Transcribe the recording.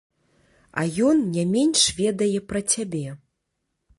А ён не менш ведае пра цябе.